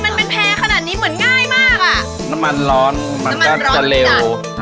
มันเป็นแพงขนาดนี้เหมือนง่ายมากอ่ะน้ำมันร้อนมันก็จะเร็ว